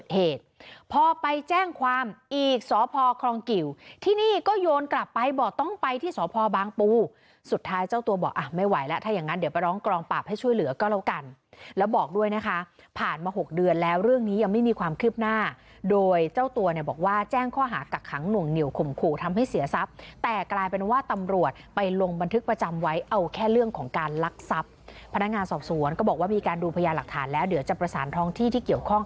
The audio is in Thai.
เหตุพอไปแจ้งความอีกสอพอครองกิวที่นี่ก็โยนกลับไปบอกต้องไปที่สอพอบางปูสุดท้ายเจ้าตัวบอกอ่ะไม่ไหวแล้วถ้าอย่างงั้นเดี๋ยวไปร้องกรองปรับให้ช่วยเหลือก็แล้วกันแล้วบอกด้วยนะคะผ่านมาหกเดือนแล้วเรื่องนี้ยังไม่มีความคืบหน้าโดยเจ้าตัวเนี่ยบอกว่าแจ้งข้อหากักขังหน่วงเหนี่ยวขมขู่ทำให้เสียทรัพย